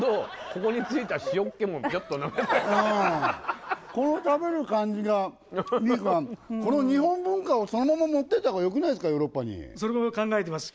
ここについた塩っ気もビョッとなめたいこの食べる感じがいいからこの日本文化をそのまま持っていった方がよくないっすかヨーロッパにそれも考えてます